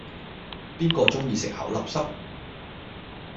邊個鐘意食口立濕